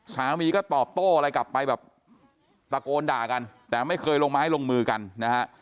สามีก็ตอบโต้อะไรกลับไปแบบตะโกนด่ากันแต่ไม่เคยลงไม้ลงมือกันนะฮะ